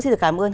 xin được cảm ơn